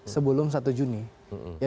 sebelum satu juni